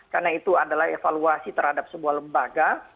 karena itu adalah evaluasi terhadap sebuah lembaga